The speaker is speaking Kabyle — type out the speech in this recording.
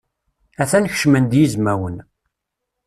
Atan kecmen-d yizmawen.